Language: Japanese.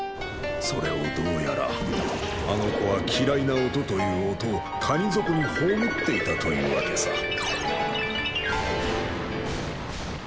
それをどうやらあの子は嫌いな音という音を谷底に葬っていたというわけさ。